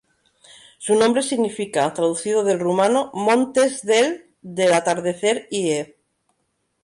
Su nombre significa, traducido del rumano, montes del "del atardecer" i.e.